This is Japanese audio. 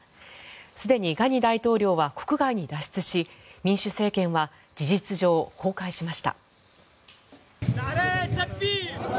すでにガニ大統領は国外に脱出し民主政権は事実上、崩壊しました。